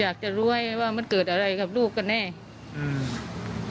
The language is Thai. อยากจะรู้ให้ว่ามันเกิดอะไรกับลูกกันแน่อืม